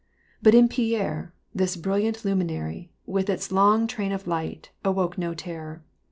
But in Pierre, this brilliant luminary, with its long train of light, awoke no terror.